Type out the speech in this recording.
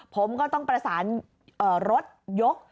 ผมก็ต้องประสานรถยก